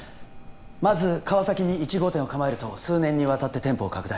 まず川崎に１号店を構えると数年にわたって店舗を拡大